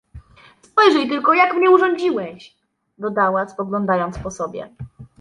Spojrzyj tylko, jak mnie urządziłeś! — dodała, spoglądając po sobie.